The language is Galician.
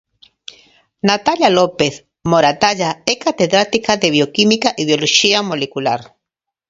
Natalia López Moratalla é catedrática de bioquímica e bioloxía molecular.